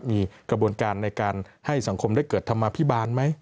มีกระบวนการในการให้สังคมได้เกิดธรรมาภิบาลไหม